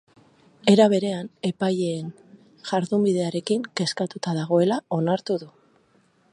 Era berean, epaileen jardunbidearekin kezkatuta dagoela onartu du.